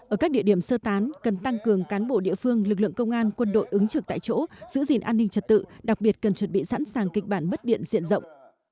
ở các địa điểm sơ tán cần tăng cường cán bộ địa phương lực lượng công an quân đội ứng trực tại chỗ giữ gìn an ninh trật tự đặc biệt cần chuẩn bị sẵn sàng kịch bản mất điện diện rộng